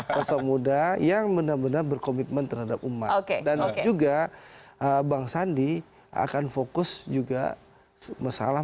sosok muda yang benar benar berkomitmen terhadap umat dan juga bang sandi akan fokus juga masalah